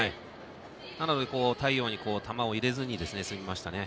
なので、太陽に球を入れずに済みましたね。